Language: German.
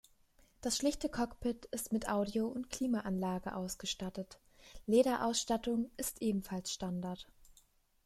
Das schlichte Cockpit ist mit Audio- und Klimaanlage ausgestattet, Lederausstattung ist ebenfalls Standard.